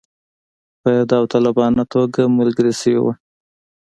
په داوطلبانه توګه ملګري شوي وه.